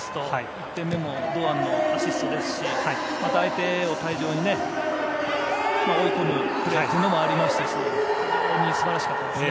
１点目も堂安のアシストですしまた、相手を退場に追い込むプレーもありましたし本当に素晴らしかったですね。